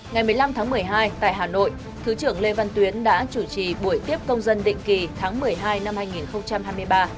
ngày một mươi năm tháng một mươi hai tại hà nội thứ trưởng lê văn tuyến đã chủ trì buổi tiếp công dân định kỳ tháng một mươi hai năm hai nghìn hai mươi ba